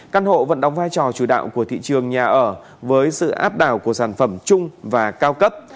căn hộ vẫn đóng vai trò chủ đạo của thị trường nhà ở với sự áp đảo của sản phẩm chung và cao cấp